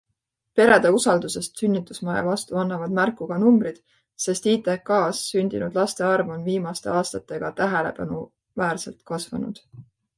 Perede usaldusest sünnitusmaja vastu annavad märku ka numbrid, sest ITKs sündinud laste arv on viimaste aastatega tähelepanuväärselt kasvanud.